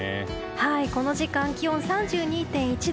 この時間、気温は３２．１度。